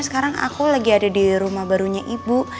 sekarang aku lagi ada di rumah barunya ibu